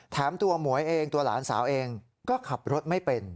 แถมตัวหมวยเองตัวหลานสาวเองก็ขับรถไม่เป็น